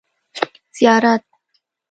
زيارت